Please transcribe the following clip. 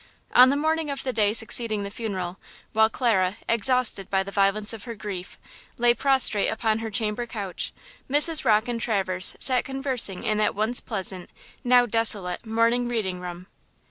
On the morning of the day succeeding the funeral, while Clara, exhausted by the violence of her grief, lay prostrate upon her chamber couch, Mrs. Rocke and Traverse sat conversing in that once pleasant, now desolate, morning reading room.